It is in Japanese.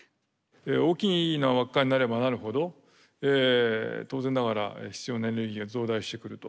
大きな輪っかになればなるほど当然ながら必要なエネルギーが増大してくると。